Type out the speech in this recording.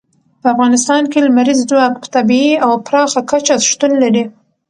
په افغانستان کې لمریز ځواک په طبیعي او پراخه کچه شتون لري.